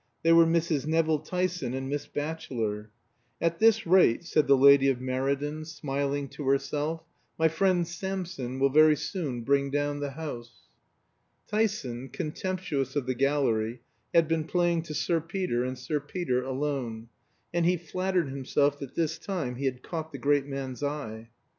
They were Mrs. Nevill Tyson and Miss Batchelor. "At this rate," said the lady of Meriden, smiling to herself, "my friend Samson will very soon bring down the house." Tyson, contemptuous of the gallery, had been playing to Sir Peter and Sir Peter alone, and he flattered himself that this time he had caught the great man's eye.